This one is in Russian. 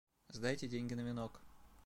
Сдайте деньги на венок.